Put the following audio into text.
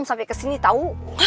sampai kesini tau